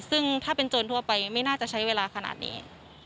ซึ่งถ้าเป็นโจรทั่วไปไม่น่าจะใช้เวลาขนาดนี้